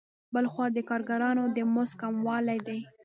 بل خوا د کارګرانو د مزد کموالی دی